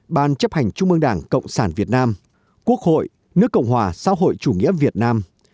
ban chấp hành trung ương đảng cộng sản việt nam quốc hội nước cộng hòa xã hội chủ nghĩa việt nam